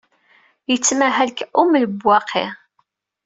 Yettmahal deg Um Lebwaqi.